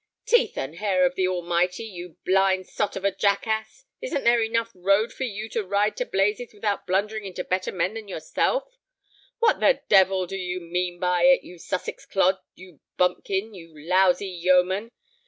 "Teeth and hair of the Almighty! you blind sot of a jackass, isn't there enough road for you to ride to blazes without blundering into better men than yourself? What the devil do you mean by it, you Sussex clod, you bumpkin, you lousy yeoman?